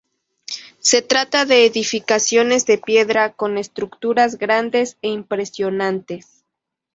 Se trata de edificaciones de piedra con estructuras grandes e impresionantes.